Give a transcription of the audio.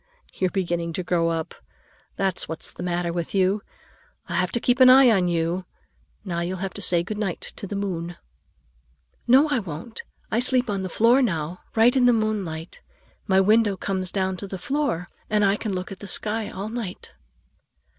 "You're beginning to grow up, that's what's the matter with you. I'll have to keep an eye on you. Now you'll have to say good night to the moon." "No, I won't. I sleep on the floor now, right in the moonlight. My window comes down to the floor, and I can look at the sky all night."